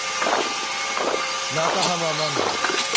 中濱万次郎